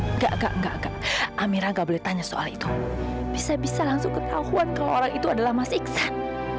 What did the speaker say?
enggak enggak enggak enggak amirah nggak boleh tanya soal itu bisa bisa langsung ketahuan kalau itu adalah mas iksan